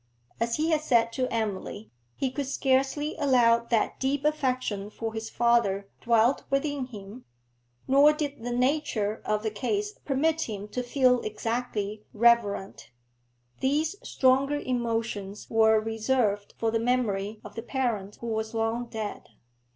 As he had said to Emily, he could scarcely allow that deep affection for his father dwelt within him, nor did the nature of the case permit him to feel exactly reverent; these stronger emotions were reserved for the memory of the parent who was long dead.